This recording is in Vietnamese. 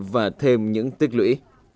và thêm những tích lũy